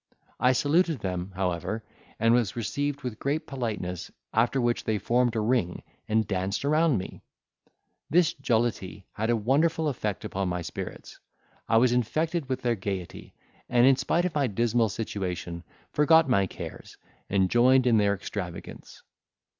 I saluted them, however, and was received with great politeness; after which they formed a ring, and danced around me. This jollity had a wonderful effect upon my spirits. I was infected with their gaiety, and in spite of my dismal situation, forgot my cares, and joined in their extravagance.